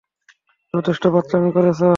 যথেষ্ট বাচ্চামি করেছো!